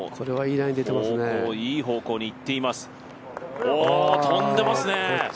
いい方向にいっています、飛んでますね。